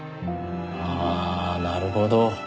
ああなるほど。